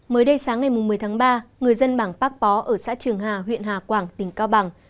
mới đây sáng ngày một mươi tháng ba người dân bảng bác bó ở xã trường hà huyện hà quảng tỉnh cao bằng